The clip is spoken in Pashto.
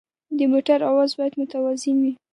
د موټر اواز باید متوازن وي.